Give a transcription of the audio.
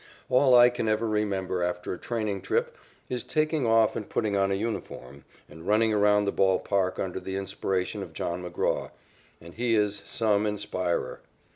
All I can ever remember after a training trip is taking off and putting on a uniform, and running around the ball park under the inspiration of John McGraw, and he is some inspirer.